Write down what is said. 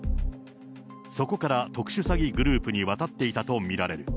そこから特殊詐欺グループに渡っていたと見られる。